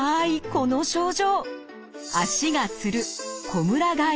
この症状。